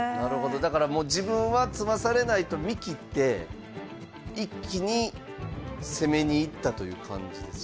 だからもう自分は詰まされないと見切って一気に攻めに行ったという感じですか？